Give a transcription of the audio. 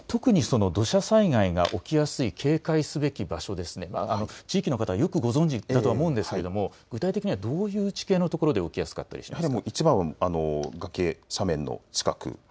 特に土砂災害が起きやすい警戒すべき場所、地域の方はよくご存じだと思うんですが具体的にはどういう地形のところで起きやすかったりしますか。